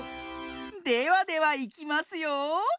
ではではいきますよ。